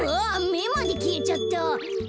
めまできえちゃった。